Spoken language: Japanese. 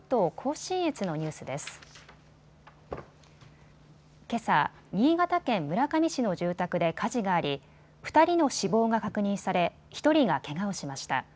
新潟県村上市の住宅で火事があり２人の死亡が確認され、１人がけがをしました。